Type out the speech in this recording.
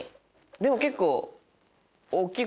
でも結構。